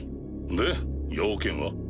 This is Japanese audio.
で用件は？